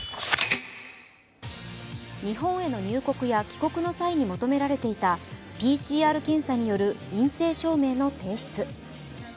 日本への入国や帰国の際に求められていたＰＣＲ検査による陰性証明の提出。